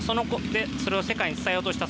それを世界に伝えようとした。